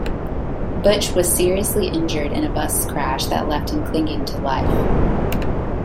Butch was seriously injured in a bus crash that left him clinging to life.